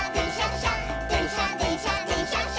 しゃでんしゃでんしゃでんしゃっしゃ」